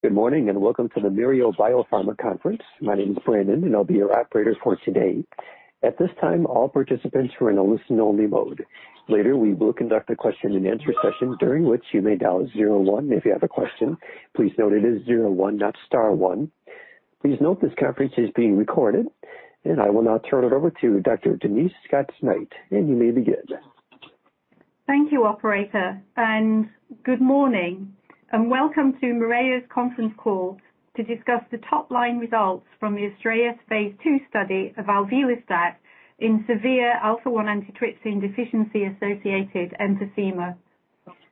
Good morning, and welcome to the Mereo BioPharma Conference. My name is Brandon, and I'll be your operator for today. At this time, all participants are in a listen only mode. Later, we will conduct a question and answer session during which you may dial zero one if you have a question. Please note it is zero one, not star one. Please note this conference is being recorded. I will now turn it over to Dr. Denise Scots-Knight. You may begin. Thank you, operator, and good morning, and welcome to Mereo BioPharma's conference call to discuss the top-line results from the ASTRAEUS phase II study of alvelestat in severe alpha-1 antitrypsin deficiency associated emphysema.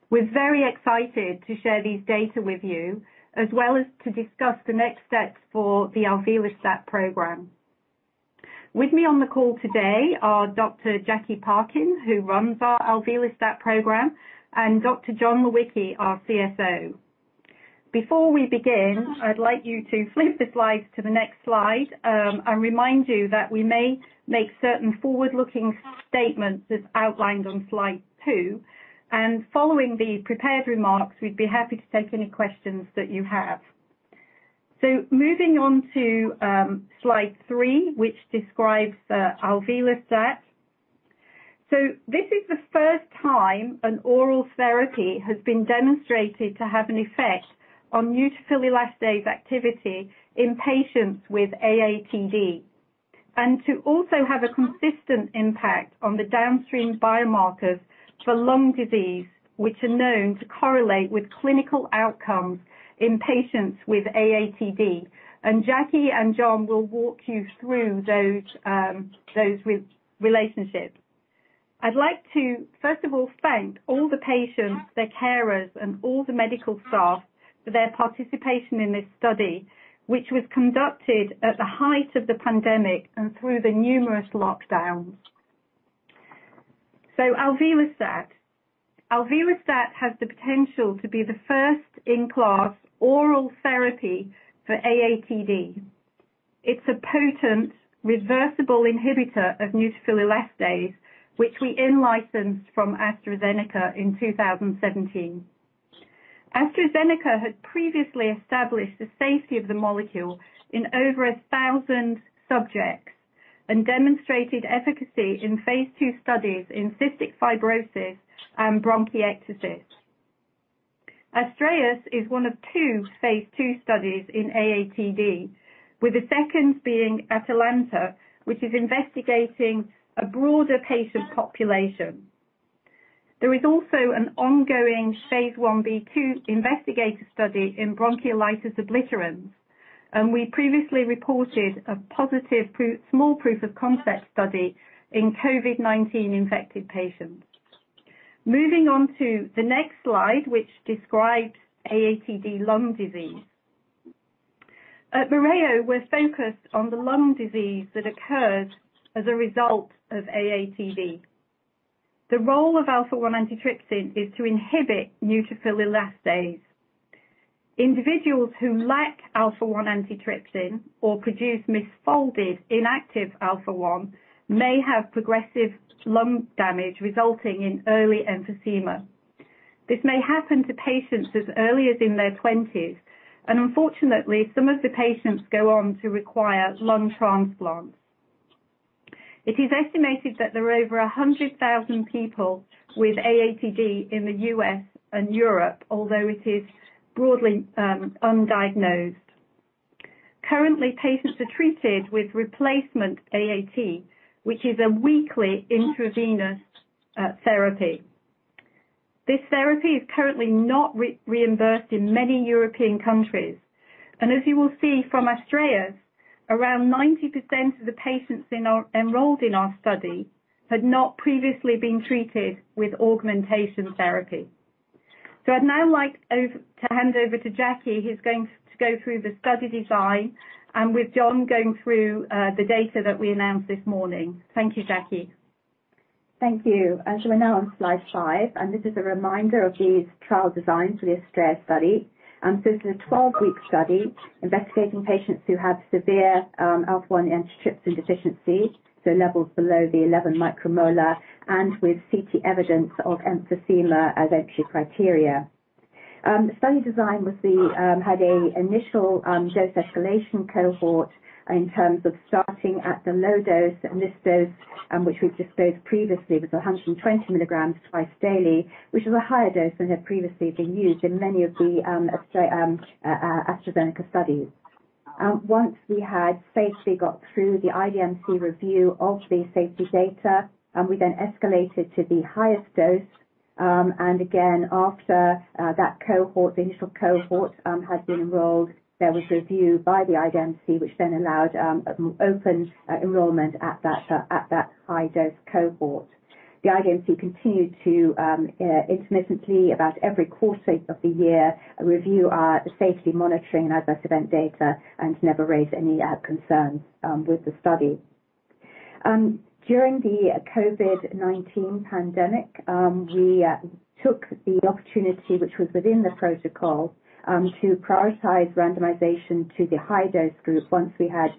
We're very excited to share these data with you, as well as to discuss the next steps for the alvelestat program. With me on the call today are Dr. Jackie Parkin, who runs our alvelestat program, and Dr. John Lewicki, our CSO. Before we begin, I'd like you to flip the slides to the next slide, and remind you that we may make certain forward-looking statements as outlined on slide two. Following the prepared remarks, we'd be happy to take any questions that you have. Moving on to slide three, which describes alvelestat. This is the first time an oral therapy has been demonstrated to have an effect on neutrophil elastase activity in patients with AATD and to also have a consistent impact on the downstream biomarkers for lung disease, which are known to correlate with clinical outcomes in patients with AATD. Jackie and John will walk you through those relationships. I'd like to, first of all, thank all the patients, their carers, and all the medical staff for their participation in this study, which was conducted at the height of the pandemic and through the numerous lockdowns. Alvelestat. Alvelestat has the potential to be the first in-class oral therapy for AATD. It's a potent reversible inhibitor of neutrophil elastase, which we in-licensed from AstraZeneca in 2017. AstraZeneca had previously established the safety of the molecule in over 1,000 subjects and demonstrated efficacy in phase II studies in cystic fibrosis and bronchiectasis. ASTRAEUS is one of two phase II studies in AATD, with the second being ATALANTa, which is investigating a broader patient population. There is also an ongoing phase I-B/II investigator study in bronchiolitis obliterans, and we previously reported a positive proof of concept study in COVID-19 infected patients. Moving on to the next slide, which describes AATD lung disease. At Mereo, we're focused on the lung disease that occurs as a result of AATD. The role of alpha-1 antitrypsin is to inhibit neutrophil elastase. Individuals who lack alpha-1 antitrypsin or produce misfolded inactive alpha-1 may have progressive lung damage resulting in early emphysema. This may happen to patients as early as in their 20s, and unfortunately, some of the patients go on to require lung transplants. It is estimated that there are over 100,000 people with AATD in the U.S. and Europe, although it is broadly undiagnosed. Currently, patients are treated with replacement AAT, which is a weekly intravenous therapy. This therapy is currently not reimbursed in many European countries, and as you will see from ASTRAEUS, around 90% of the patients enrolled in our study had not previously been treated with augmentation therapy. I'd now like to hand over to Jackie, who's going to go through the study design and with John going through the data that we announced this morning. Thank you, Jackie. Thank you. As we're now on slide five, and this is a reminder of the trial design for the ASTRAEUS study. It's a 12-week study investigating patients who have severe alpha-1 antitrypsin deficiency, so levels below 11 micromolar and with CT evidence of emphysema as entry criteria. The study design had an initial dose escalation cohort in terms of starting at the low dose. This dose, which we've disclosed previously, was 120 mg twice daily, which is a higher dose than had previously been used in many of the AstraZeneca studies. Once we had safely got through the IDMC review of the safety data, we then escalated to the highest dose. Again, after that cohort, the initial cohort, had been enrolled, there was review by the IDMC, which then allowed an open enrollment at that high dose cohort. The IDMC continued to intermittently about every quarter of the year, review our safety monitoring adverse event data and never raised any concerns with the study. During the COVID-19 pandemic, we took the opportunity which was within the protocol to prioritize randomization to the high dose group once we had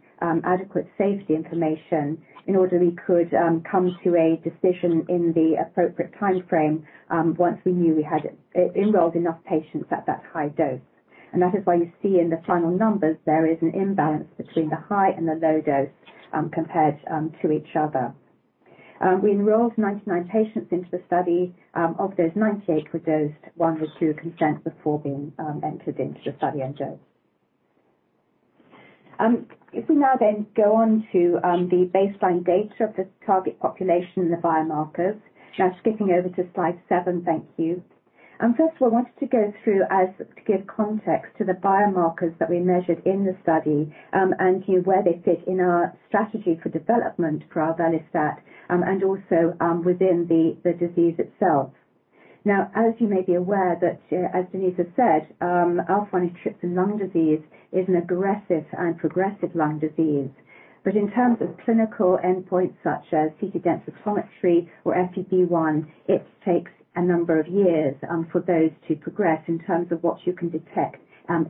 adequate safety information in order we could come to a decision in the appropriate timeframe once we knew we had enrolled enough patients at that high dose. That is why you see in the final numbers there is an imbalance between the high and the low dose compared to each other. We enrolled 99 patients into the study. Of those, 98 were dosed. One withdrew consent before being entered into the study. If we now go on to the baseline data of this target population, the biomarkers. Now skipping over to slide seven. Thank you. First of all, I wanted to go through as to give context to the biomarkers that we measured in the study, and to where they fit in our strategy for development for alvelestat, and also, within the disease itself. Now, as you may be aware that, as Denise has said, alpha-1 antitrypsin lung disease is an aggressive and progressive lung disease. In terms of clinical endpoints such as CT densitometry or FEV1, it takes a number of years for those to progress in terms of what you can detect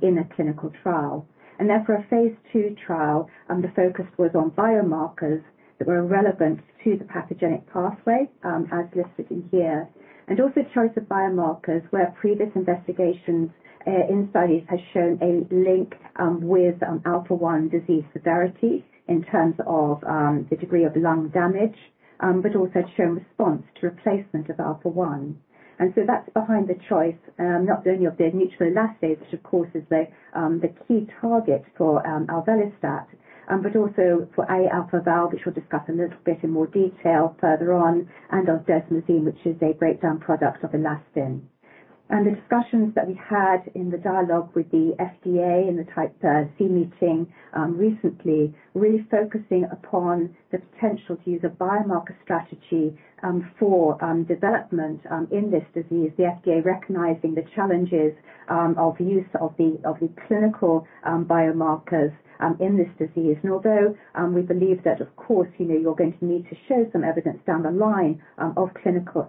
in a clinical trial. Therefore, a phase II trial, the focus was on biomarkers that were relevant to the pathogenic pathway as listed in here. Also, choice of biomarkers where previous investigations in studies had shown a link with alpha-1 disease severity in terms of the degree of lung damage, also had shown response to replacement of alpha-1. That's behind the choice, not only of the neutrophil elastase, which of course is the key target for alvelestat, but also for Aα-Val, which we'll discuss a little bit in more detail further on, and desmosine, which is a breakdown product of elastin. The discussions that we had in the dialogue with the FDA in the Type C meeting recently really focusing upon the potential to use a biomarker strategy for development in this disease. The FDA recognizing the challenges of use of the clinical biomarkers in this disease. Although we believe that of course, you know, you're going to need to show some evidence down the line of clinical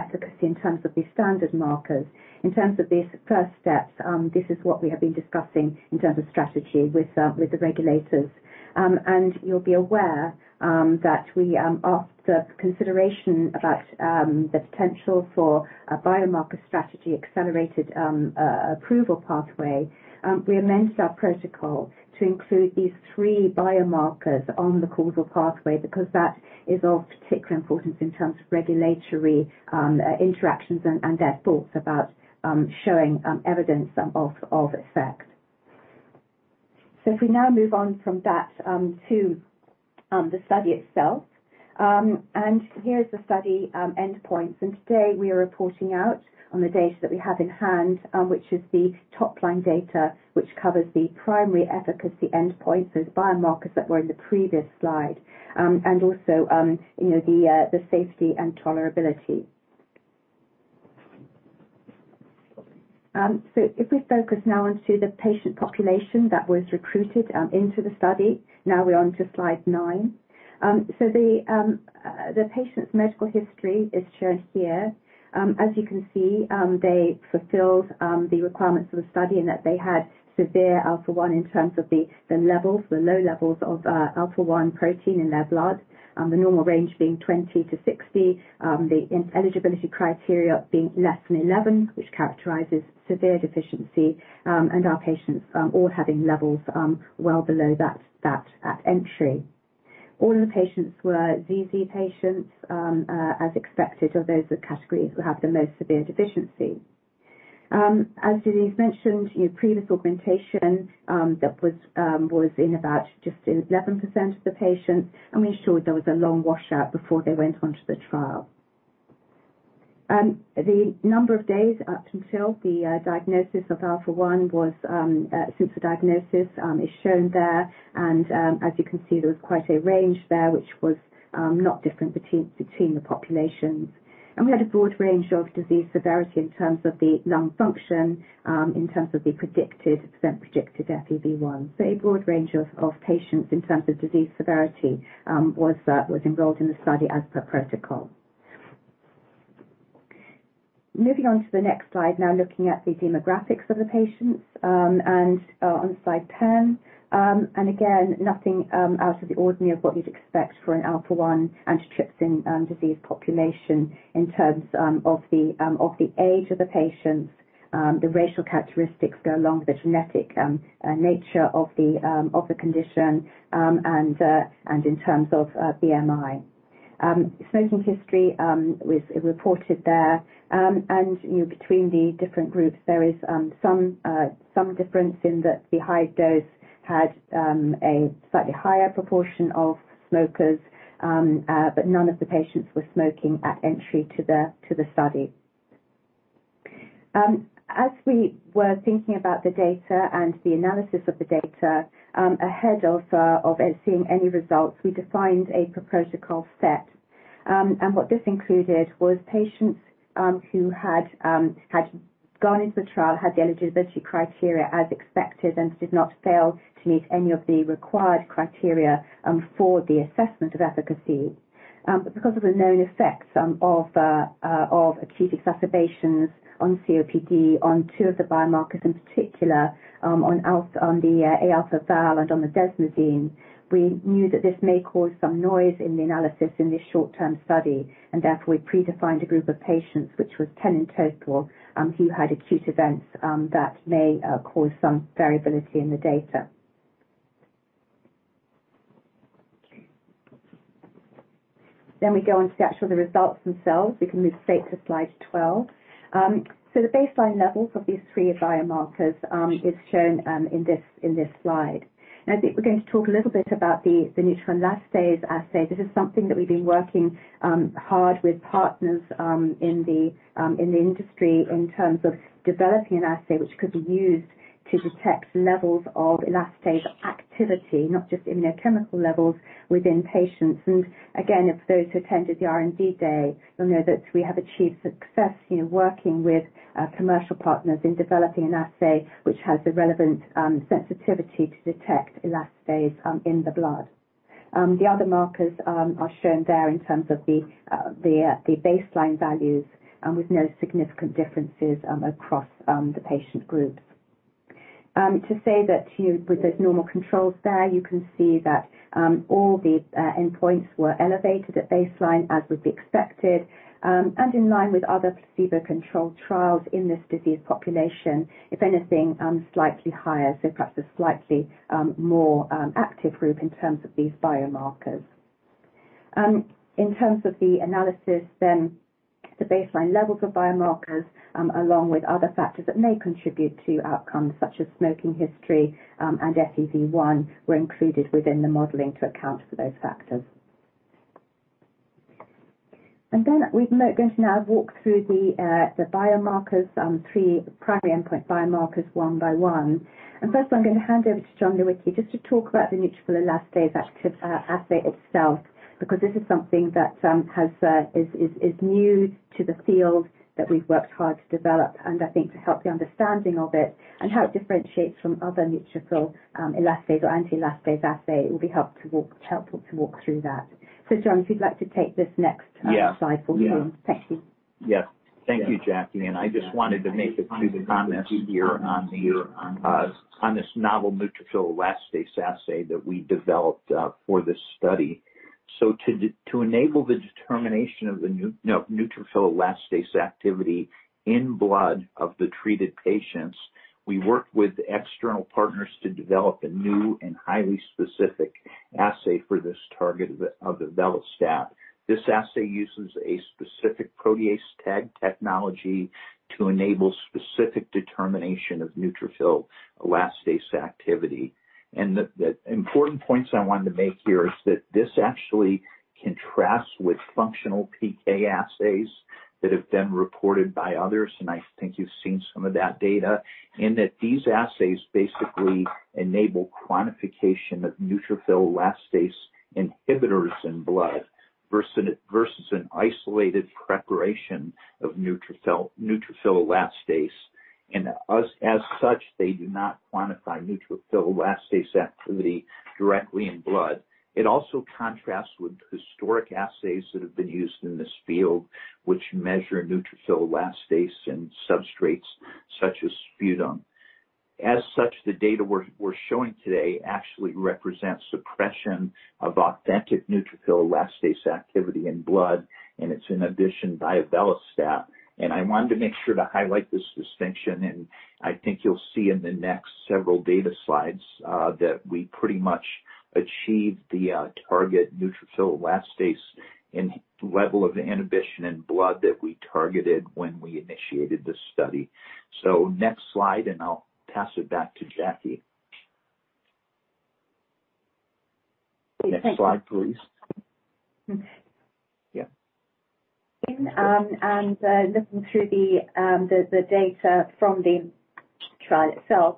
efficacy in terms of these standard markers. In terms of these first steps, this is what we have been discussing in terms of strategy with the regulators. You'll be aware that we asked for consideration about the potential for a biomarker strategy for accelerated approval pathway. We amended our protocol to include these three biomarkers on the causal pathway because that is of particular importance in terms of regulatory interactions and their thoughts about showing evidence of effect. If we now move on from that to the study itself. Here is the study endpoints. Today we are reporting out on the data that we have in hand, which is the top-line data, which covers the primary efficacy endpoints. Those biomarkers that were in the previous slide. Also, you know, the safety and tolerability. If we focus now onto the patient population that was recruited into the study. Now we're onto slide nine. The patient's medical history is shown here. As you can see, they fulfilled the requirements for the study in that they had severe alpha-1 in terms of the levels, the low levels of alpha-1 protein in their blood. The normal range being 20-60. The eligibility criteria being less than 11, which characterizes severe deficiency, and our patients all having levels well below that at entry. All of the patients were ZZ patients, as expected of those categories who have the most severe deficiency. As Denise mentioned, your previous augmentation that was in about just in 11% of the patients, and we ensured there was a long washout before they went on to the trial. The number of days since the diagnosis of alpha-1 is shown there. As you can see, there was quite a range there, which was not different between the populations. We had a broad range of disease severity in terms of the lung function in terms of the predicted percent predicted FEV1. A broad range of patients in terms of disease severity was enrolled in the study as per protocol. Moving on to the next slide now, looking at the demographics of the patients and on slide 10. Again, nothing out of the ordinary of what you'd expect for an alpha-1 antitrypsin disease population in terms of the age of the patients. The racial characteristics go along with the genetic nature of the condition, and in terms of BMI. Smoking history was reported there. You know, between the different groups, there is some difference in that the high dose had a slightly higher proportion of smokers. But none of the patients were smoking at entry to the study. As we were thinking about the data and the analysis of the data ahead of seeing any results, we defined a per protocol set. What this included was patients who had gone into the trial, had the eligibility criteria as expected and did not fail to meet any of the required criteria for the assessment of efficacy. Because of the known effects of acute exacerbations on COPD on two of the biomarkers in particular, on the Aα-Val and on the desmosine, we knew that this may cause some noise in the analysis in this short-term study, and therefore we predefined a group of patients, which was 10 in total, who had acute events that may cause some variability in the data. We go on to the actual results themselves. We can move straight to slide 12. The baseline levels of these three biomarkers is shown in this slide. I think we're going to talk a little bit about the neutrophil elastase assay. This is something that we've been working hard with partners in the industry in terms of developing an assay which could be used to detect levels of elastase activity, not just in their chemical levels within patients. Again, if those who attended the R&D day, you'll know that we have achieved success in working with commercial partners in developing an assay which has the relevant sensitivity to detect elastase in the blood. The other markers are shown there in terms of the baseline values with no significant differences across the patient groups. To say that you- With those normal controls there, you can see that all the endpoints were elevated at baseline as would be expected, and in line with other placebo-controlled trials in this disease population, if anything, slightly higher, so perhaps a slightly more active group in terms of these biomarkers. In terms of the analysis then, the baseline levels of biomarkers, along with other factors that may contribute to outcomes such as smoking history, and FEV1, were included within the modeling to account for those factors. Then we're going to now walk through the biomarkers, three primary endpoint biomarkers one by one. I'm gonna hand over to John Lewicki just to talk about the neutrophil elastase assay itself, because this is something that is new to the field that we've worked hard to develop, and I think to help the understanding of it and how it differentiates from other neutrophil elastase or anti-elastase assay, it will be helpful to walk through that. John, if you'd like to take this next slide for you. Yeah. Yes. Thank you, Jackie. I just wanted to make a few comments here on this novel neutrophil elastase assay that we developed for this study. To enable the determination of the neutrophil elastase activity in blood of the treated patients, we worked with external partners to develop a new and highly specific assay for this target of the alvelestat. This assay uses a specific ProteaseTag technology to enable specific determination of neutrophil elastase activity. The important points I wanted to make here is that this actually contrasts with functional PK assays that have been reported by others, and I think you've seen some of that data, in that these assays basically enable quantification of neutrophil elastase inhibitors in blood versus an isolated preparation of neutrophil elastase. As such, they do not quantify neutrophil elastase activity directly in blood. It also contrasts with historic assays that have been used in this field, which measure neutrophil elastase in substrates such as sputum. As such, the data we're showing today actually represents suppression of authentic neutrophil elastase activity in blood, and it's inhibition by alvelestat. I wanted to make sure to highlight this distinction, and I think you'll see in the next several data slides that we pretty much achieved the target neutrophil elastase inhibition level in blood that we targeted when we initiated this study. Next slide, and I'll pass it back to Jackie. Thank you. Next slide, please. Yeah. Looking through the data from the trial itself.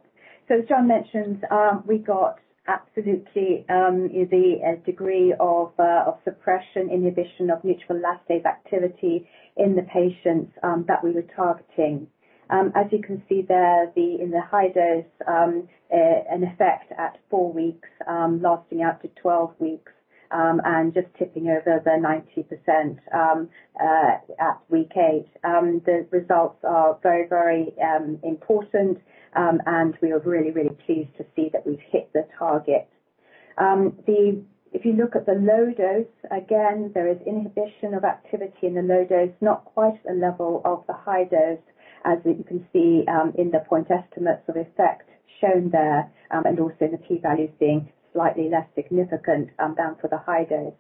As John mentioned, we got absolutely the degree of suppression inhibition of neutrophil elastase activity in the patients that we were targeting. As you can see there, in the high dose, an effect at 4 weeks, lasting out to 12 weeks, and just tipping over the 90% at week 8. The results are very important, and we are really pleased to see that we've hit the target. If you look at the low dose, again, there is inhibition of activity in the low dose, not quite at the level of the high dose, as you can see, in the point estimates of effect shown there, and also the p-values being slightly less significant than for the high dose.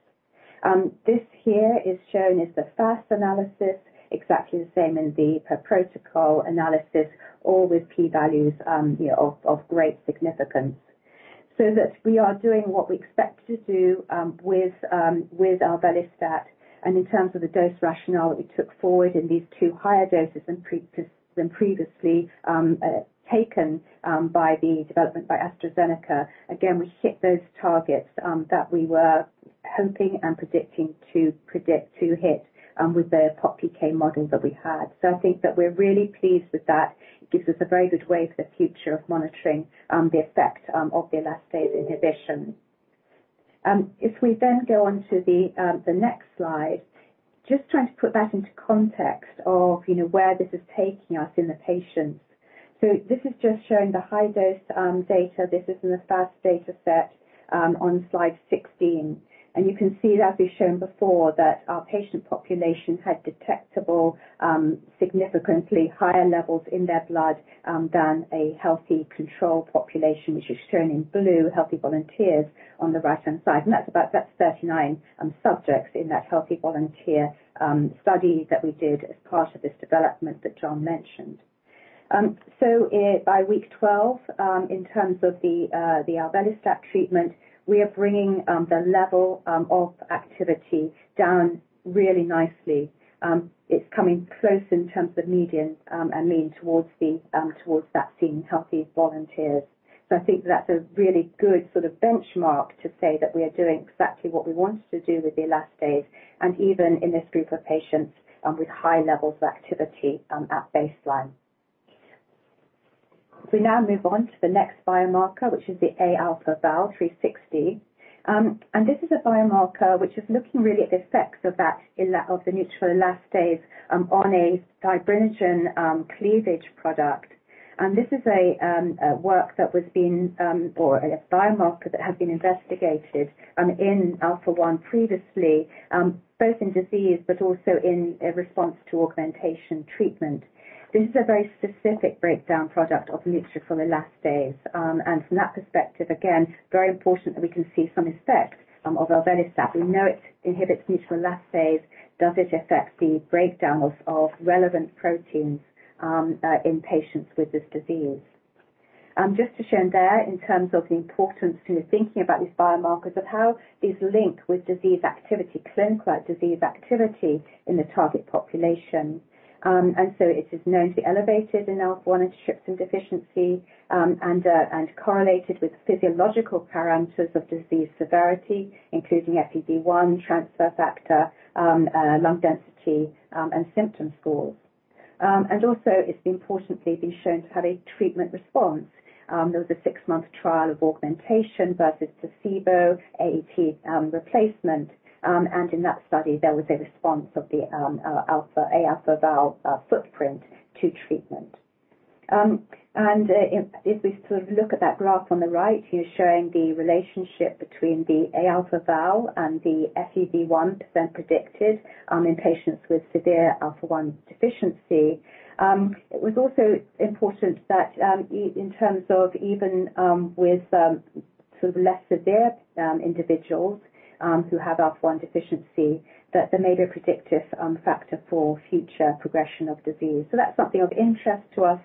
This here is shown as the FAS analysis, exactly the same in the per protocol analysis, all with p-values, you know, of great significance. That we are doing what we expect to do with our alvelestat, and in terms of the dose rationale that we took forward in these two higher doses than previously taken by AstraZeneca, again, we hit those targets that we were hoping and predicting to hit with the PopPK models that we had. I think that we're really pleased with that. It gives us a very good way for the future of monitoring the effect of the elastase inhibition. If we then go on to the next slide, just trying to put that into context of, you know, where this is taking us in the patients. This is just showing the high-dose data. This is in the FAS dataset on slide 16. You can see that we've shown before that our patient population had detectable, significantly higher levels in their blood, than a healthy control population, which is shown in blue, healthy volunteers on the right-hand side. That's 39 subjects in that healthy volunteer study that we did as part of this development that John mentioned. By week 12, in terms of the alvelestat treatment, we are bringing the level of activity down really nicely. It's coming close in terms of median, and lean towards that seen, healthy volunteers. I think that's a really good sort of benchmark to say that we are doing exactly what we wanted to do with the elastase and even in this group of patients, with high levels of activity, at baseline. If we now move on to the next biomarker, which is the Aα-Val360. This is a biomarker which is looking really at the effects of the neutrophil elastase on a fibrinogen cleavage product. This is a biomarker that has been investigated in alpha-1 previously, both in disease but also in a response to augmentation treatment. This is a very specific breakdown product of neutrophil elastase. From that perspective, again, very important that we can see some effect of alvelestat. We know it inhibits neutrophil elastase. Does it affect the breakdown of relevant proteins in patients with this disease? Just to show there in terms of the importance to thinking about these biomarkers of how these link with disease activity, clinical disease activity in the target population. It is known to be elevated in alpha-1 antitrypsin deficiency and correlated with physiological parameters of disease severity, including FEV1, transfer factor, lung density and symptom scores. It's importantly been shown to have a treatment response. There was a 6-month trial of augmentation versus placebo AAT replacement. In that study, there was a response of the Aα-Val footprint to treatment. If we sort of look at that graph on the right here showing the relationship between the Aα-Val and the FEV1% predicted in patients with severe alpha-1 deficiency, it was also important that in terms of even with sort of less severe individuals who have alpha-1 deficiency that they may be a predictive factor for future progression of disease. That's something of interest to us,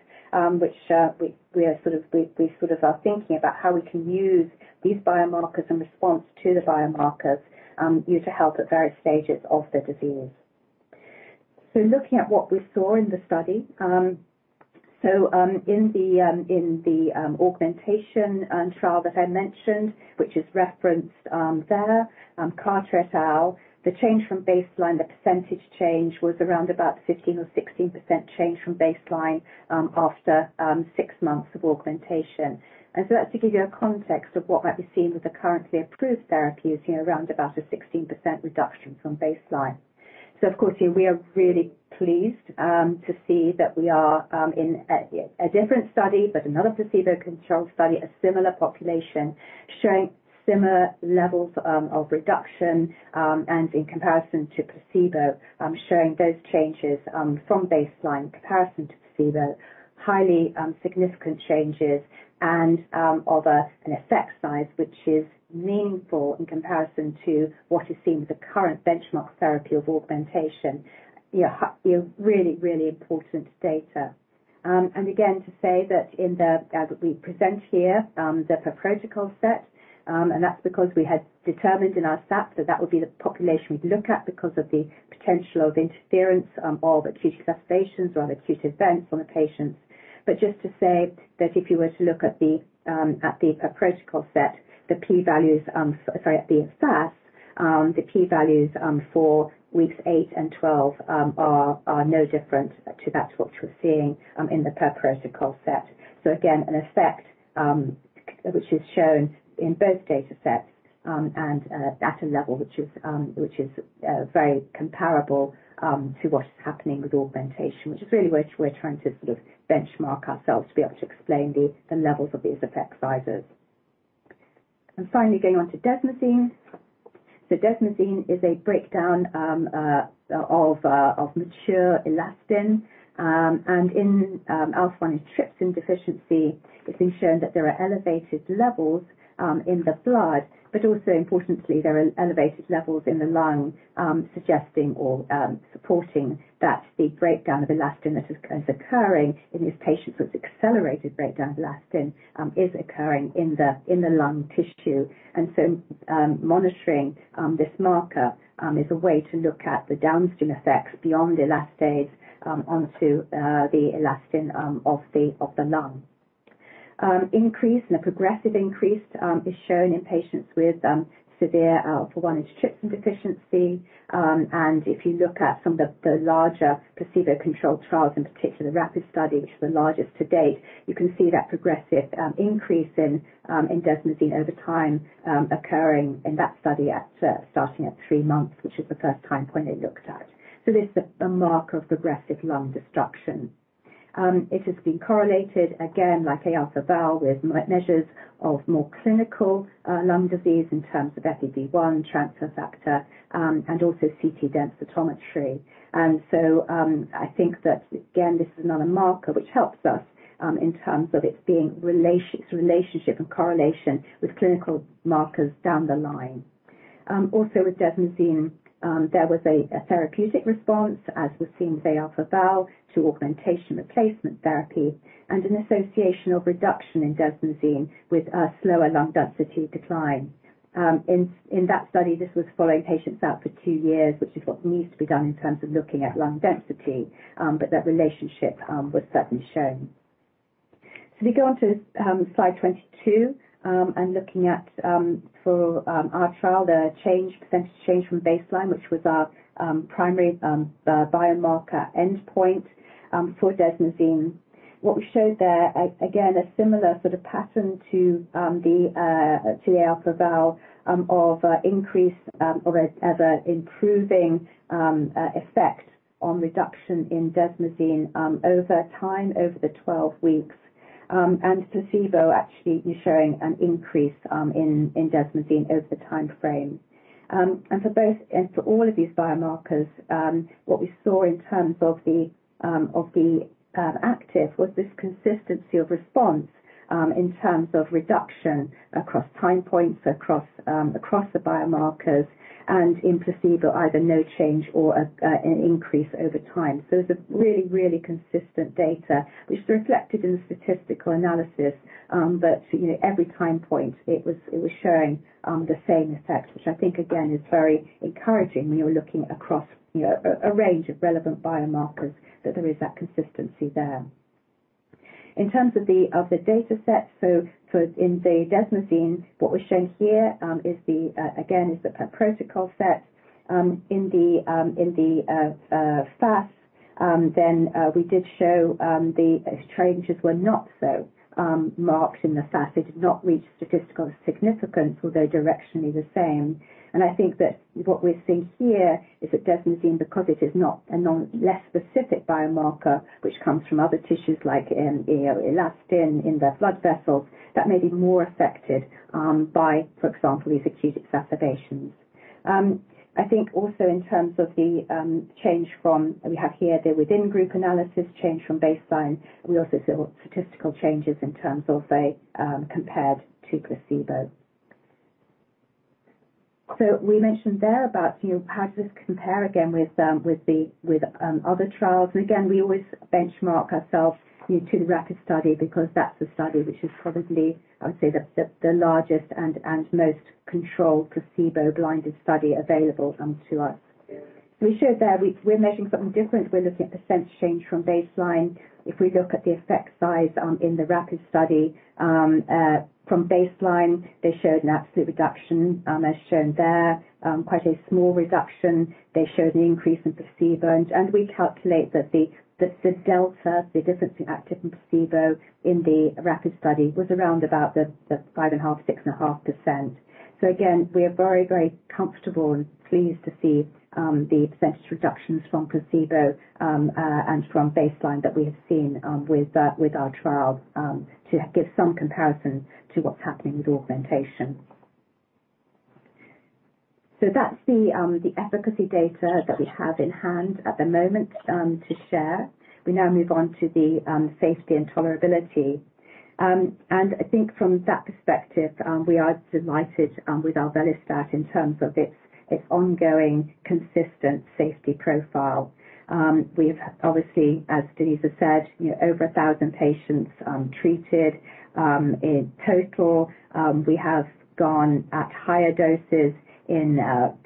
which we sort of are thinking about how we can use these biomarkers in response to the biomarkers used to help at various stages of the disease. Looking at what we saw in the study, in the augmentation trial that I mentioned, which is referenced there, Carter et al, the change from baseline, the percentage change was around about 15% or 16% change from baseline, after 6 months of augmentation. That's to give you a context of what might be seen with the currently approved therapies, you know, around about a 16% reduction from baseline. Of course, we are really pleased to see that we are in a different study but another placebo-controlled study, a similar population showing similar levels of reduction and in comparison to placebo, showing those changes from baseline, comparison to placebo, highly significant changes and of an effect size which is meaningful in comparison to what is seen with the current benchmark therapy of augmentation. You know, really important data. Again, to say that as we present here, the per protocol set, and that's because we had determined in our stats that that would be the population we'd look at because of the potential of interference or of acute exacerbations or other acute events on the patients. Just to say that if you were to look at the protocol set, the p-values for weeks 8 and 12 are no different to what you're seeing in the per protocol set. Again, an effect which is shown in both datasets and at a level which is very comparable to what is happening with augmentation, which is really what we're trying to sort of benchmark ourselves to be able to explain the levels of these effect sizes. Finally, going on to desmosine. Desmosine is a breakdown of mature elastin. In alpha-1 antitrypsin deficiency, it's been shown that there are elevated levels in the blood, but also importantly, there are elevated levels in the lung, suggesting or supporting that the breakdown of elastin that is occurring in these patients with accelerated breakdown of elastin is occurring in the lung tissue. Monitoring this marker is a way to look at the downstream effects beyond elastase onto the elastin of the lung. Increase and a progressive increase is shown in patients with severe alpha-1 antitrypsin deficiency. If you look at some of the larger placebo-controlled trials, in particular the RAPID study, which is the largest to date, you can see that progressive increase in desmosine over time occurring in that study starting at 3 months, which is the first time point they looked at. This is a marker of progressive lung destruction. It has been correlated again, like Aα-Val, with measures of more clinical lung disease in terms of FEV1, transfer factor, and also CT densitometry. I think that again, this is another marker which helps us in terms of its relationship and correlation with clinical markers down the line. Also with desmosine, there was a therapeutic response, as was seen with Aα-Val, to augmentation replacement therapy and an association of reduction in desmosine with a slower lung density decline. In that study, this was following patients out for 2 years, which is what needs to be done in terms of looking at lung density, but that relationship was certainly shown. We go on to slide 22 and looking at for our trial, the change, percentage change from baseline, which was our primary biomarker endpoint for desmosine. What we showed there, again, a similar sort of pattern to the Aα-Val of increase or as an improving effect on reduction in desmosine over time, over the 12 weeks. Placebo actually is showing an increase in desmosine over the time frame. For both and for all of these biomarkers, what we saw in terms of the active was this consistency of response in terms of reduction across time points across the biomarkers, and in placebo, either no change or an increase over time. It's a really consistent data which reflected in the statistical analysis that, you know, every time point it was showing the same effect which I think again is very encouraging when you're looking across, you know, a range of relevant biomarkers that there is that consistency there. In terms of the data set, for the desmosine, what we're showing here is again the per protocol set. In the FAS, then we did show the changes were not so marked in the FAS. It did not reach statistical significance, although directionally the same. I think that what we're seeing here is that desmosine, because it is not a less specific biomarker which comes from other tissues like, you know, elastin in the blood vessels, that may be more affected by, for example, these acute exacerbations. I think also in terms of the change from baseline. We have here the within-group analysis change from baseline. We also saw statistical changes in terms of compared to placebo. We mentioned there about, you know, how does this compare again with other trials. We always benchmark ourselves, you know, to the RAPID study because that's a study which is probably, I would say, the largest and most controlled placebo-blinded study available to us. We showed there we're measuring something different. We're looking at percent change from baseline. If we look at the effect size in the RAPID study from baseline, they showed an absolute reduction as shown there, quite a small reduction. They showed an increase in placebo. We calculate that the delta, the difference in active and placebo in the RAPID study was around 5.5%-6.5%. Again, we are very, very comfortable and pleased to see the percentage reductions from placebo and from baseline that we have seen with our trial to give some comparison to what's happening with augmentation. That's the efficacy data that we have in hand at the moment to share. We now move on to the safety and tolerability. I think from that perspective we are delighted with alvelestat in terms of its ongoing consistent safety profile. We've obviously, as Denise has said, you know, over 1,000 patients treated in total. We have gone at higher doses in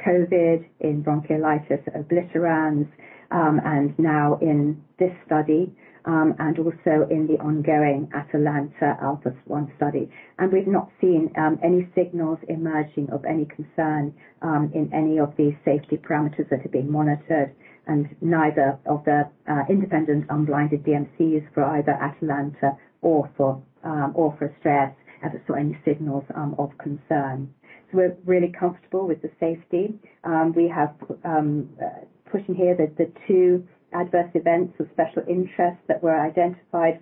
COVID, in bronchiolitis obliterans, and now in this study, and also in the ongoing ATALANTa alpha-1 study. We've not seen any signals emerging of any concern in any of these safety parameters that have been monitored, and neither of the independent unblinded DMCs for either ATALANTa or ASTRAEUS haven't saw any signals of concern. We're really comfortable with the safety. We have here the two adverse events of special interest that were identified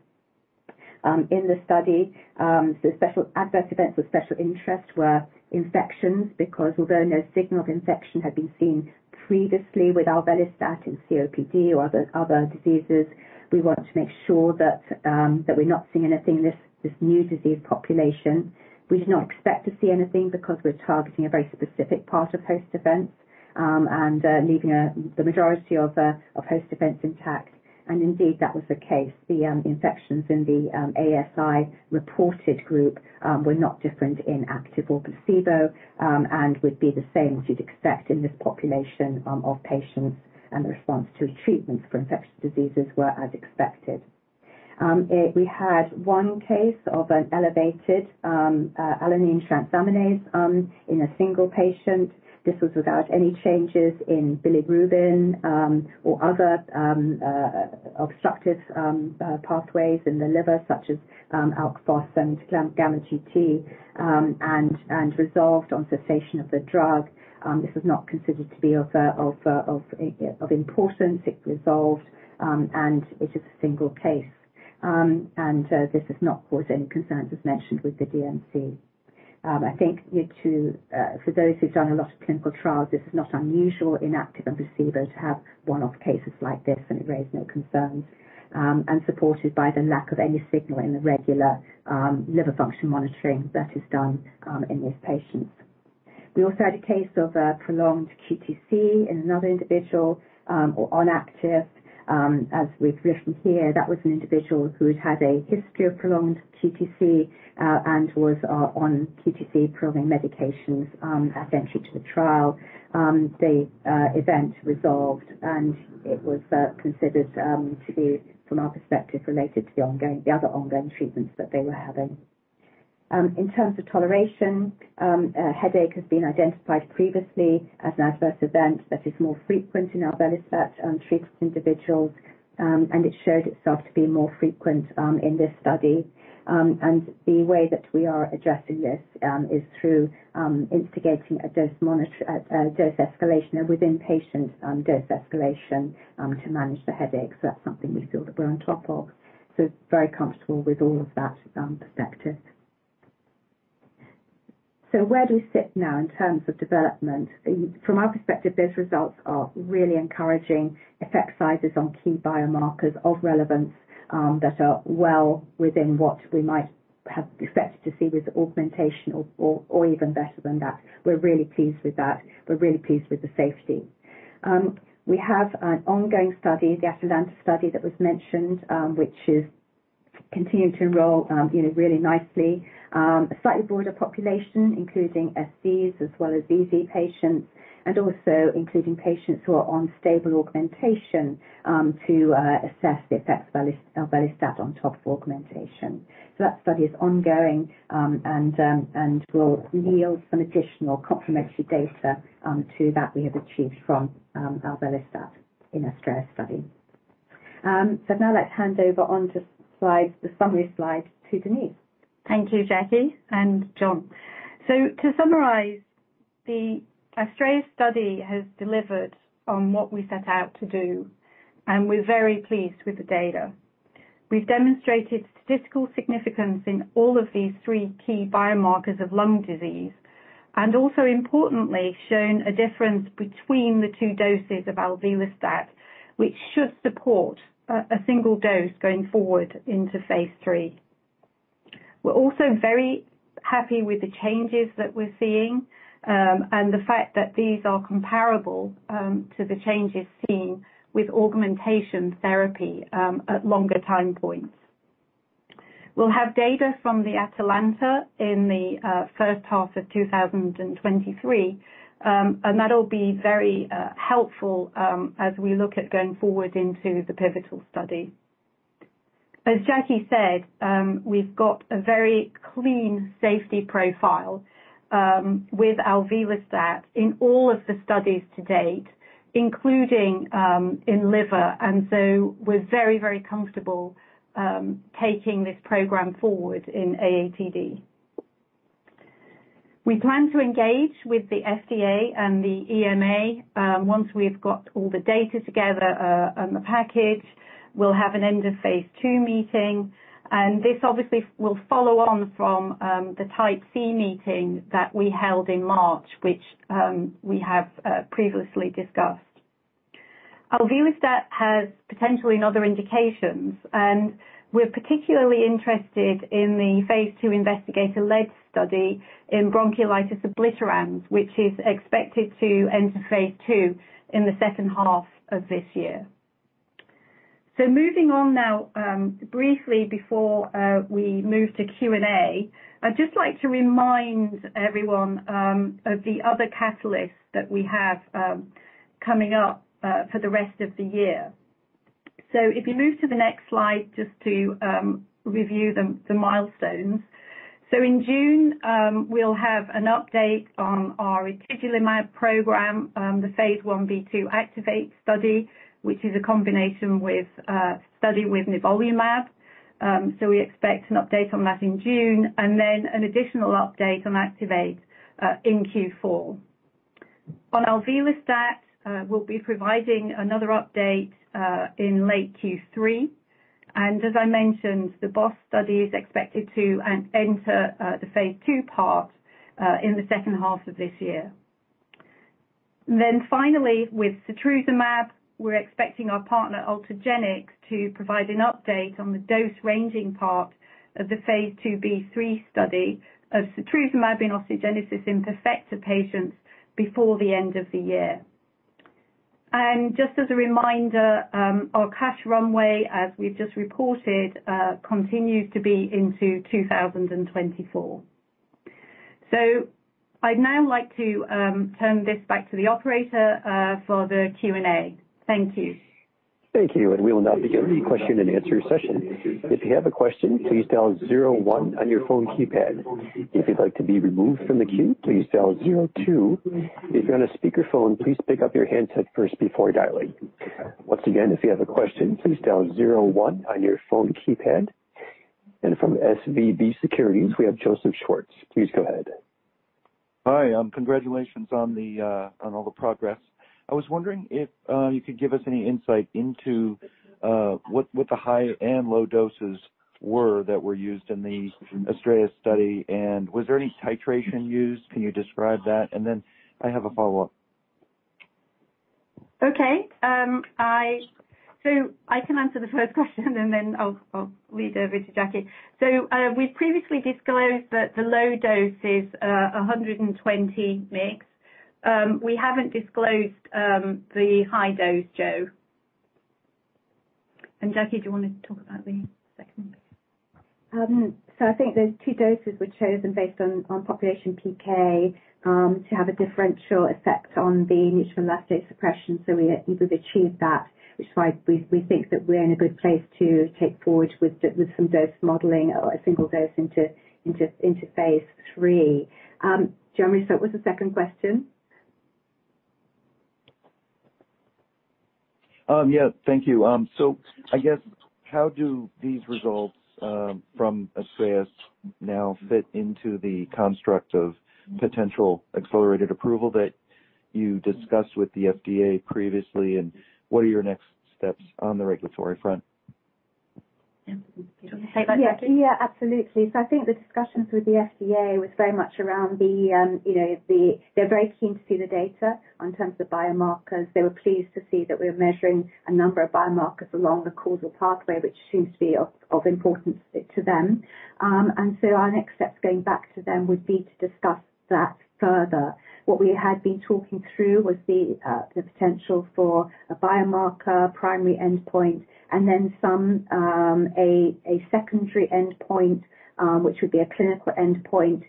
in the study. The adverse events of special interest were infections because although no signal of infection had been seen previously with alvelestat in COPD or other diseases, we want to make sure that we're not seeing anything in this new disease population. We do not expect to see anything because we're targeting a very specific part of host defense, and leaving the majority of host defense intact. Indeed, that was the case. The infections in the AESI-reported group were not different in active or placebo, and would be the same as you'd expect in this population of patients, and the response to treatments for infectious diseases were as expected. We had one case of an elevated alanine transaminase in a single patient. This was without any changes in bilirubin or other obstructive pathways in the liver, such as alkaline phosphatase and gamma glutamyl transferase, and resolved on cessation of the drug. This was not considered to be of importance. It resolved, and it's just a single case. This has not caused any concerns, as mentioned, with the DMC. I think for those who've done a lot of clinical trials, this is not unusual in active and placebo to have one-off cases like this, and it raised no concerns, and supported by the lack of any signal in the regular liver function monitoring that is done in these patients. We also had a case of prolonged QTc in another individual on active. As we've listed here, that was an individual who had a history of prolonged QTc and was on QTc-prolonging medications at entry to the trial. The event resolved, and it was considered to be, from our perspective, related to the other ongoing treatments that they were having. In terms of toleration, headache has been identified previously as an adverse event that is more frequent in alvelestat treated individuals, and it showed itself to be more frequent in this study. The way that we are addressing this is through instigating a dose escalation, a within-patient dose escalation to manage the headache. That's something we feel that we're on top of. Very comfortable with all of that perspective. Where do we sit now in terms of development? From our perspective, those results are really encouraging. Effect sizes on key biomarkers of relevance that are well within what we might have expected to see with augmentation or even better than that. We're really pleased with that. We're really pleased with the safety. We have an ongoing study, the ATALANTa study that was mentioned, which is continuing to enroll, you know, really nicely. A slightly broader population, including SZs as well as ZZ patients, and also including patients who are on stable augmentation, to assess the effects of alvelestat on top of augmentation. That study is ongoing and will yield some additional complementary data to that we have achieved from alvelestat in ASTRAEUS study. Now let's hand over to the slides, the summary slides to Denise. Thank you, Jackie and John. To summarize, the ASTRAEUS study has delivered on what we set out to do, and we're very pleased with the data. We've demonstrated statistical significance in all of these three key biomarkers of lung disease, and also importantly, shown a difference between the two doses of alvelestat, which should support a single dose going forward into phase III. We're also very happy with the changes that we're seeing, and the fact that these are comparable to the changes seen with augmentation therapy at longer time points. We'll have data from the ATALANTa in the first half of 2023, and that'll be very helpful as we look at going forward into the pivotal study. As Jackie said, we've got a very clean safety profile with alvelestat in all of the studies to date, including in liver, and so we're very, very comfortable taking this program forward in AATD. We plan to engage with the FDA and the EMA. Once we've got all the data together and the package, we'll have an end-of-phase II meeting, and this obviously will follow on from the Type C meeting that we held in March, which we have previously discussed. Alvelestat has potential in other indications, and we're particularly interested in the phase II investigator-led study in bronchiolitis obliterans, which is expected to enter phase II in the second half of this year. Moving on now, briefly before we move to Q&A, I'd just like to remind everyone of the other catalysts that we have coming up for the rest of the year. If you move to the next slide just to review the milestones. In June, we'll have an update on our etigilimab program, the phase I-B/II ACTIVATE study, which is a combination study with nivolumab. We expect an update on that in June, and then an additional update on ACTIVATE in Q4. On alvelestat, we'll be providing another update in late Q3. As I mentioned, the BOS study is expected to enter the phase II part in the second half of this year. Finally, with setrusumab, we're expecting our partner, Ultragenyx, to provide an update on the dose-ranging part of the phase II-B/III study of setrusumab in osteogenesis imperfecta patients before the end of the year. Just as a reminder, our cash runway, as we've just reported, continues to be into 2024. I'd now like to turn this back to the operator for the Q&A. Thank you. Thank you. We will now begin the question and answer session. If you have a question, please dial zero one on your phone keypad. If you'd like to be removed from the queue, please dial zero two. If you're on a speakerphone, please pick up your handset first before dialing. Once again, if you have a question, please dial zero one on your phone keypad. From SVB Securities, we have Joseph Schwartz. Please go ahead. Hi. Congratulations on all the progress. I was wondering if you could give us any insight into what the high and low doses were that were used in the ASTRAEUS study. Was there any titration used? Can you describe that? I have a follow-up. Okay. I can answer the first question, and then I'll lead over to Jackie. We've previously disclosed that the low dose is 120 mg. We haven't disclosed the high dose, Joe. Jackie, do you wanna talk about the second one? I think those two doses were chosen based on population PK to have a differential effect on the neutrophil elastase suppression. We've achieved that, which is why we think that we're in a good place to take forward with some dose modeling or a single dose into phase III. Do you want me to start with the second question? Thank you. I guess how do these results from ASTRAEUS now fit into the construct of potential accelerated approval that you discussed with the FDA previously, and what are your next steps on the regulatory front? You talk about that, Jackie? Yeah. Yeah, absolutely. I think the discussions with the FDA were very much around the They're very keen to see the data in terms of biomarkers. They were pleased to see that we're measuring a number of biomarkers along the causal pathway, which seems to be of importance to them. Our next steps going back to them would be to discuss that further. What we had been talking through was the potential for a biomarker primary endpoint and then some a secondary endpoint, which would be a clinical endpoint,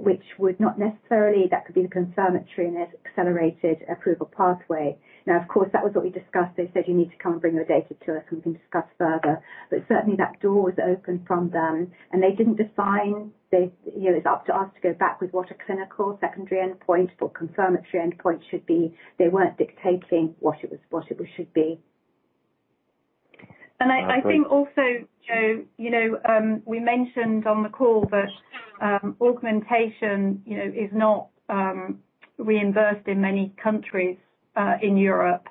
which would not necessarily, that could be the confirmatory in this accelerated approval pathway. Now, of course, that was what we discussed. They said, "You need to come and bring your data to us and we can discuss further." Certainly that door was open from them and they didn't define. They, you know, it's up to us to go back with what a clinical secondary endpoint or confirmatory endpoint should be. They weren't dictating what it was, what it should be. I think also, Joe, you know, we mentioned on the call that augmentation, you know, is not reimbursed in many countries in Europe.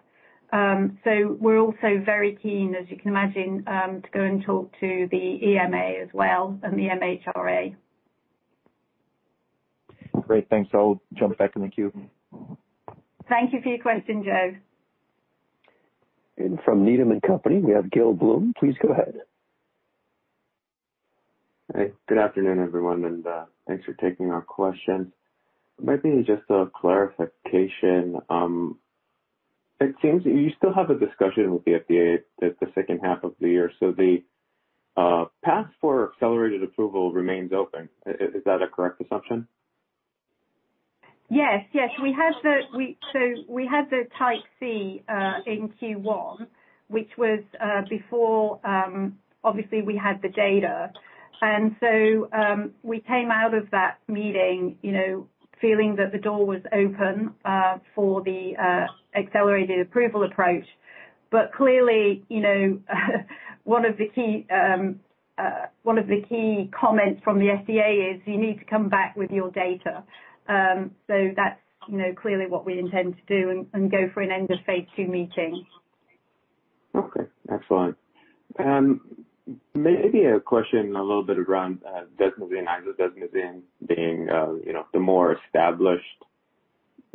We're also very keen, as you can imagine, to go and talk to the EMA as well and the MHRA. Great. Thanks. I'll jump back in the queue. Thank you for your question, Joe. From Needham & Company, we have Gil Blum. Please go ahead. Hey, good afternoon, everyone, and thanks for taking our questions. It might be just a clarification. It seems you still have a discussion with the FDA the second half of the year. So the path for accelerated approval remains open. Is that a correct assumption? Yes. Yes. We had the Type C in Q1, which was before, obviously we had the data. We came out of that meeting, you know, feeling that the door was open for the accelerated approval approach. But clearly, you know, one of the key comments from the FDA is you need to come back with your data. That's, you know, clearly what we intend to do and go for an end-of-phase II meeting. Okay. Excellent. Maybe a question a little bit around desmosine, isodesmosine being you know the more established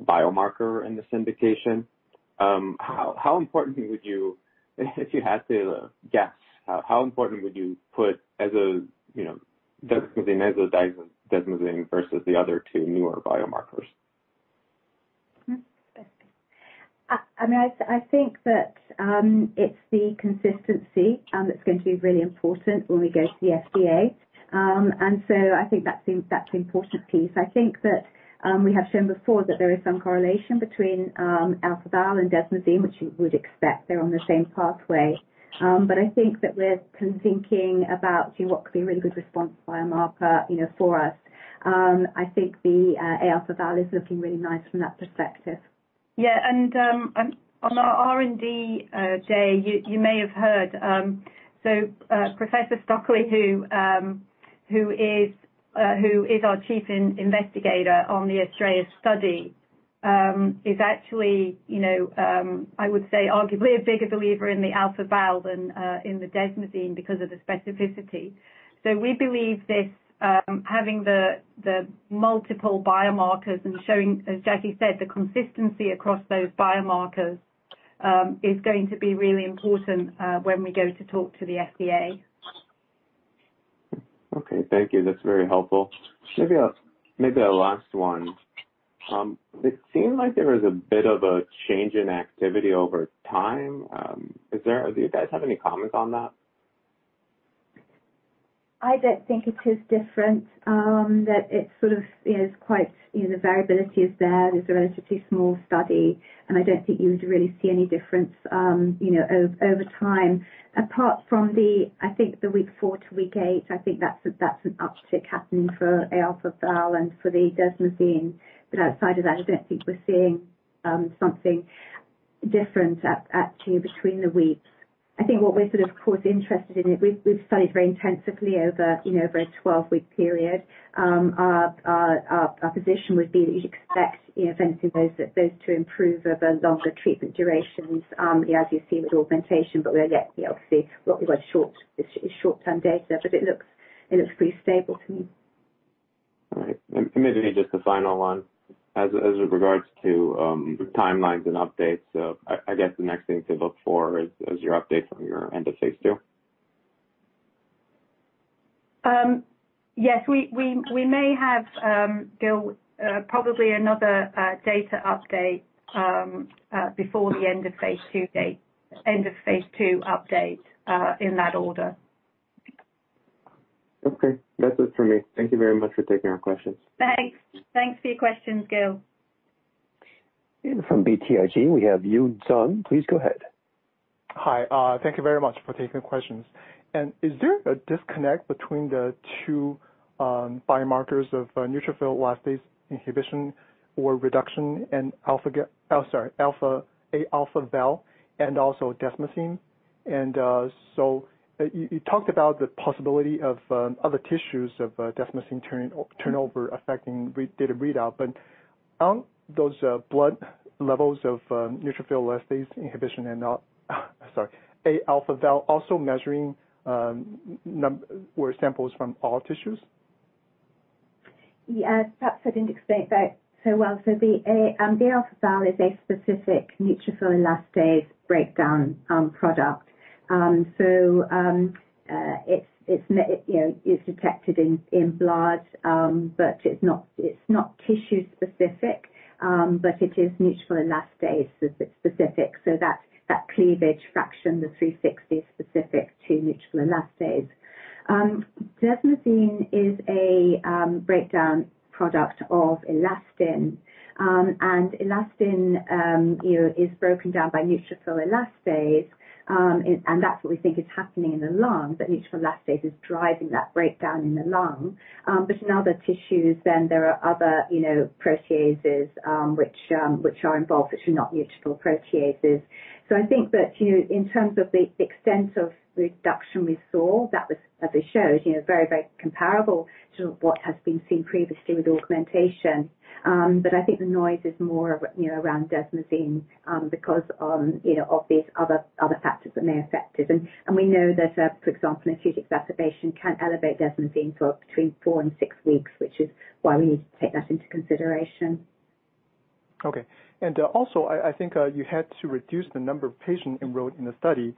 biomarker in this indication. How important would you, if you had to guess, put desmosine, isodesmosine versus the other two newer biomarkers? I mean, I think that it's the consistency that's going to be really important when we go to the FDA. I think that's the important piece. I think that we have shown before that there is some correlation between Aα-Val and desmosine, which you would expect. They're on the same pathway. I think that we're thinking about, you know, what could be a really good response biomarker, you know, for us. I think Aα-Val is looking really nice from that perspective. Yeah. On our R&D day, you may have heard, Professor Stockley who is our chief investigator on the ASTRAEUS study is actually, you know, I would say arguably a bigger believer in the Aα-Val than in the desmosine because of the specificity. We believe this having the multiple biomarkers and showing, as Jackie said, the consistency across those biomarkers is going to be really important when we go to talk to the FDA. Okay. Thank you. That's very helpful. Maybe a last one. It seemed like there was a bit of a change in activity over time. Is there? Do you guys have any comments on that? I don't think it is different, that it's sort of, you know, it's quite, you know, the variability is there. It is a relatively small study, and I don't think you would really see any difference, you know, over time. Apart from, I think, the week 4 to week 8, I think that's an uptick happening for Aα-Val and for the desmosine. Outside of that, I don't think we're seeing something different at, actually between the weeks. I think what we're of course interested in is we've studied very intensively over, you know, over a 12-week period. Our position would be that you'd expect, you know, eventually those to improve over longer treatment durations, as you've seen with augmentation. We're yet, you know, obviously what we've got is short-term data. It looks pretty stable to me. All right. Maybe just a final one. As with regards to timelines and updates, I guess the next thing to look for is your update from your end-of-phase II. Yes. We may have, Gil, probably another data update before the end of phase II update in that order. Okay. That's it for me. Thank you very much for taking our questions. Thanks. Thanks for your questions, Gil. From BTIG, we have Yun Zhong. Please go ahead. Hi, thank you very much for taking questions. Is there a disconnect between the two biomarkers of neutrophil elastase inhibition or reduction in Aα-Val and also desmosine? So you talked about the possibility of other tissues of desmosine turnover affecting data readout. But aren't those blood levels of neutrophil elastase inhibition and, sorry, Aα-Val also measuring? Were samples from all tissues? Yes. Perhaps I didn't explain that so well. The Aα-Val is a specific neutrophil elastase breakdown product. It's you know is detected in blood. It's not tissue specific. It is neutrophil elastase specific, so that cleavage fraction, the 360, is specific to neutrophil elastase. Desmosine is a breakdown product of elastin. Elastin you know is broken down by neutrophil elastase, and that's what we think is happening in the lung, that neutrophil elastase is driving that breakdown in the lung. In other tissues then there are other you know proteases, which are involved, which are not neutrophil proteases. I think that, you know, in terms of the extent of reduction we saw, that was, as I showed, you know, very, very comparable to what has been seen previously with augmentation. I think the noise is more, you know, around desmosine, because, you know, various other factors that may affect it. We know that, for example, an acute exacerbation can elevate desmosine for between 4 and 6 weeks, which is why we need to take that into consideration. Okay. Also I think you had to reduce the number of patients enrolled in the study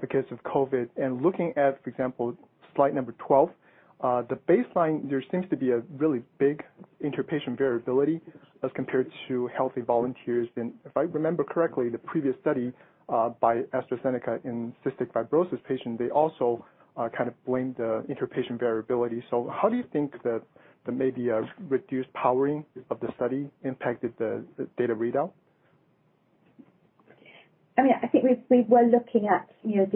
because of COVID. Looking at, for example, slide number 12, the baseline, there seems to be a really big inter-patient variability as compared to healthy volunteers. If I remember correctly, the previous study by AstraZeneca in cystic fibrosis patients, they also kind of blamed the inter-patient variability. How do you think that there may be a reduced powering of the study impacted the data readout? I mean, I think we were looking at, you know,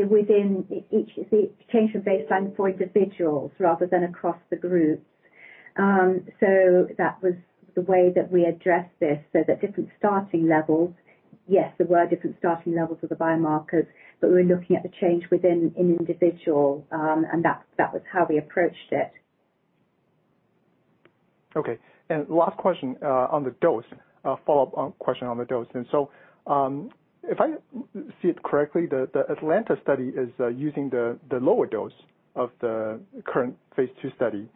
within each the change from baseline for individuals rather than across the groups. That was the way that we addressed this, so the different starting levels. Yes, there were different starting levels for the biomarkers, but we were looking at the change within an individual. That was how we approached it. Okay. Last question on the dose, a follow-up question on the dose. If I see it correctly, the ATALANTa study is using the lower dose of the current phase II study.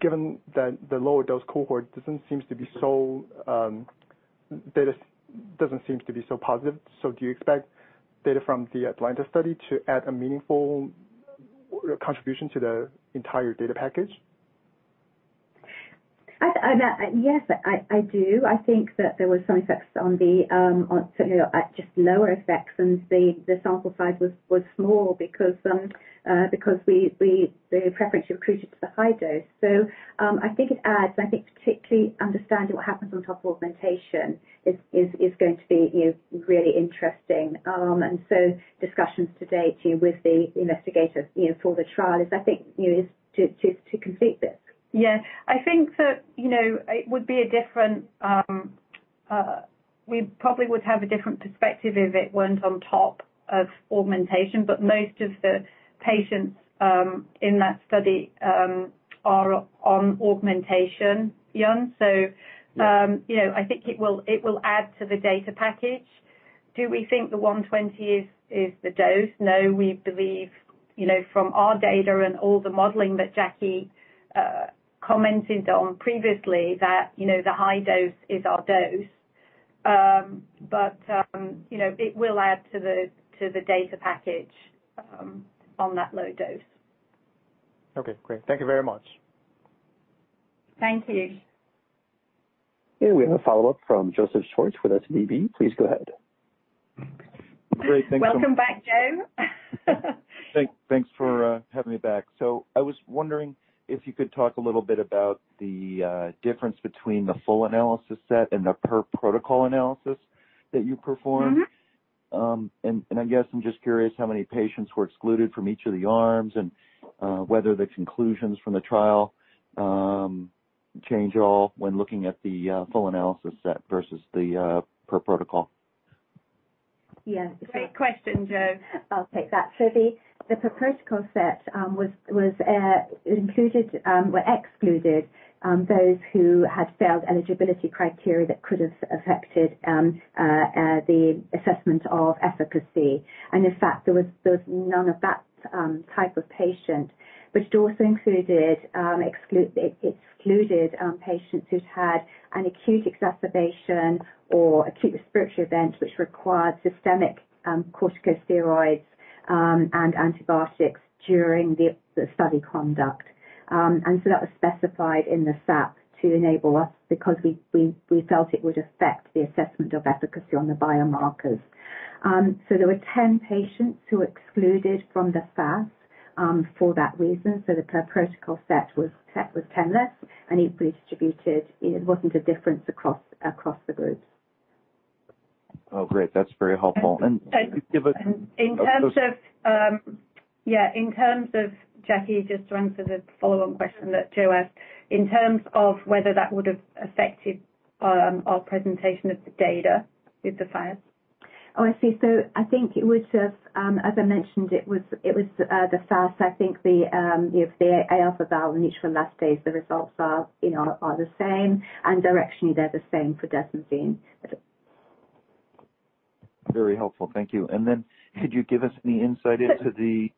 Given that the lower dose cohort data doesn't seem to be so positive, do you expect data from the ATALANTa study to add a meaningful contribution to the entire data package? Yes, I do. I think that there was some effects, you know, just lower effects and the sample size was small because we preferred recruitment to the high dose. I think it adds. I think particularly understanding what happens on top of augmentation is going to be, you know, really interesting. Discussions to date, you know, with the investigators, you know, for the trial is, I think, you know, to complete this. Yeah. I think that, you know, we probably would have a different perspective if it weren't on top of augmentation. Most of the patients in that study are on augmentation, Yun. I think it will add to the data package. Do we think the 120 is the dose? No. We believe, you know, from our data and all the modeling that Jackie commented on previously, that, you know, the high dose is our dose. You know, it will add to the data package on that low dose. Okay, great. Thank you very much. Thank you. We have a follow-up from Joseph Schwartz with SVB. Please go ahead. Great. Thanks so much. Welcome back, Joe. Thanks for having me back. I was wondering if you could talk a little bit about the difference between the full analysis set and the per-protocol analysis that you performed? Mm-hmm. I guess I'm just curious how many patients were excluded from each of the arms and whether the conclusions from the trial change at all when looking at the full analysis set versus the per protocol. Yes. Great question, Joe. I'll take that. The per-protocol set excluded those who had failed eligibility criteria that could've affected the assessment of efficacy. In fact, there was none of that type of patient. It also excluded patients who'd had an acute exacerbation or acute respiratory event which required systemic corticosteroids and antibiotics during the study conduct. That was specified in the SAP to enable us because we felt it would affect the assessment of efficacy on the biomarkers. There were 10 patients who excluded from the FAS for that reason. The per-protocol set was set with 10 less, and it redistributed. It wasn't a difference across the groups. Oh, great. That's very helpful. Can you give a- In terms of Jackie, just to answer the follow-on question that Joe asked, in terms of whether that would have affected our presentation of the data with the filings. Oh, I see. I think it would have, as I mentioned, it was the FAS. I think, you know, the Aα-Val in neutrophil elastase, the results are, you know, the same. Directionally, they're the same for desmosine. Very helpful. Thank you. Could you give us any insight into the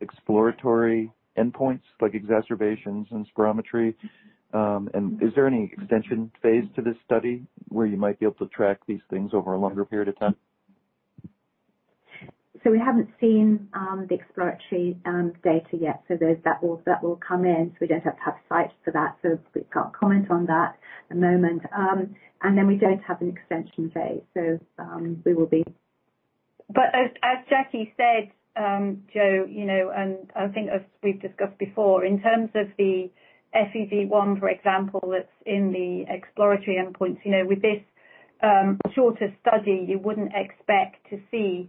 exploratory endpoints, like exacerbations and spirometry? Is there any extension phase to this study where you might be able to track these things over a longer period of time? We haven't seen the exploratory data yet. Those that will come in, so we don't have to have sites for that. We can't comment on that at the moment. Then we don't have an extension phase, so we will be- As Jackie said, Joe, you know, and I think as we've discussed before, in terms of the FEV1, for example, that's in the exploratory endpoints, you know, with this shorter study, you wouldn't expect to see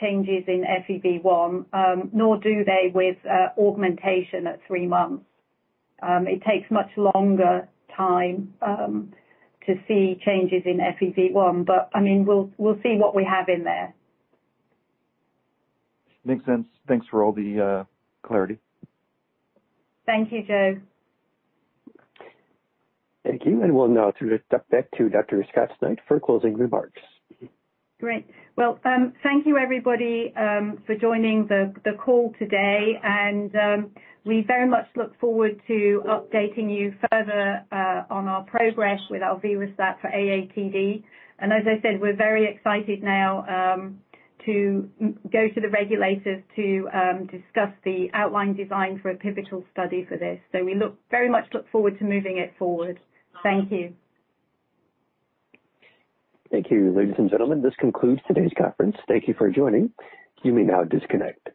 changes in FEV1, nor do they with augmentation at 3 months. It takes much longer time to see changes in FEV1. I mean, we'll see what we have in there. Makes sense. Thanks for all the clarity. Thank you, Joe. Thank you. We'll now turn it back to Dr. Scots-Knight for closing remarks. Great. Well, thank you, everybody, for joining the call today. We very much look forward to updating you further on our progress with alvelestat for AATD. As I said, we're very excited now to go to the regulators to discuss the outline design for a pivotal study for this. We very much look forward to moving it forward. Thank you. Thank you. Ladies and gentlemen, this concludes today's conference. Thank you for joining. You may now disconnect.